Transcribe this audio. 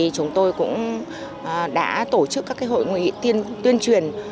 chúng tôi cũng đã tổ chức các hội nguyện tuyên truyền